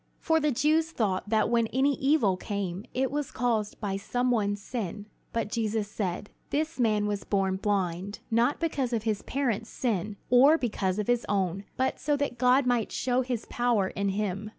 For the Jews thought that when any evil came, it was caused by some one's sin. But Jesus said: "This man was born blind, not because of his parents' sin, nor because of his own, but so that God might show his power in him.